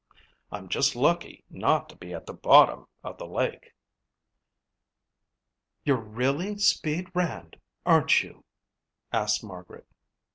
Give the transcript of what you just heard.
I'm just lucky not to be at the bottom of the lake." "You're really 'Speed' Rand, aren't you?" asked Margaret.